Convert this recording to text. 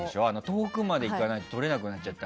遠くまで行かないととれなくなってるし。